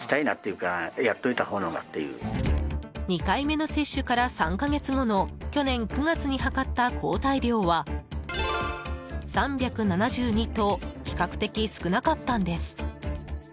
２回目の接種から３か月後の去年９月にはかった抗体量は３７２と比較的少なかったんです。